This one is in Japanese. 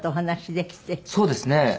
そうですね。